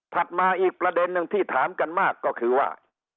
มาอีกประเด็นหนึ่งที่ถามกันมากก็คือว่า